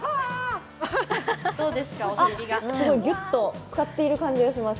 すごいぎゅっと使っている感じがします。